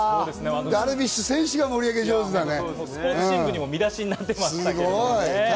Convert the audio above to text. ダルビッシュ選手がスポーツ新聞にも見出しになってましたけれどもね。